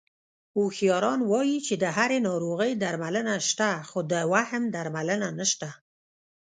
هوښیاران وایي چې د هرې ناروغۍ درملنه شته، خو د وهم درملنه نشته...